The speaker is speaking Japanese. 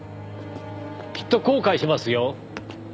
きっと後悔しますよ